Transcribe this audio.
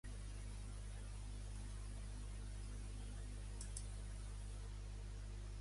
Et pots dir progressista, et pots dir feminista.